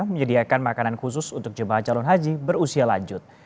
menyediakan makanan khusus untuk jemaah calon haji berusia lanjut